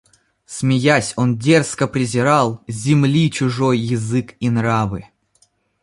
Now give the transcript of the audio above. Смеясь, он дерзко презирал Земли чужой язык и нравы;